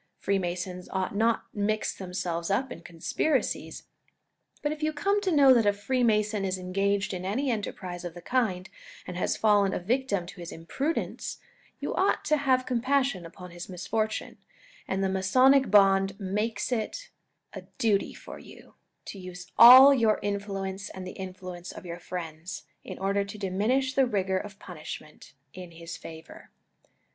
Freemasons ought not mix them selves up in conspiracies ; but if you come to know that a Freemason is engaged in any enterprise of the kind, and has fallen a victim to his imprudence, you ought to have com passion upon his misfortune, and the Masonic bond makes it a THE INTELLECTUAL AND THE AVAR PARTY IN MASONRY. 89 duty for you, to use all your influence and the influence of your friends, in order to diminish the rigour of punishment in his favour."